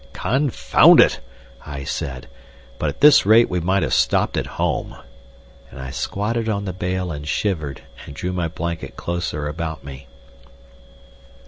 "Confound it!" I said, "but at this rate we might have stopped at home;" and I squatted on the bale and shivered, and drew my blanket closer about me.